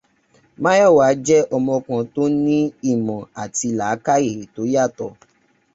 Máyọ̀wá jẹ́ ọmọ kan tó ní ìmọ̀ àti làákàyè tó yàtọ̀.